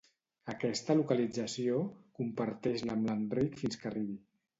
Aquesta localització, comparteix-la amb l'Enric fins que arribi.